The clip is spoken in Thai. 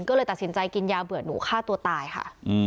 ก็เลยตัดสินใจกินยาเบื่อหนูฆ่าตัวตายค่ะ